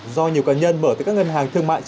do nhiều cá nhân mở từ các ngân hàng thương mại